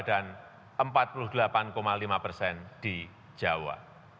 dan empat puluh delapan lima persen di jawa